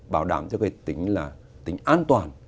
bảo đảm cho cái tính an toàn